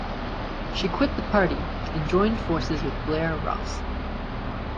She quit the party, and joined forces with Blair Ross.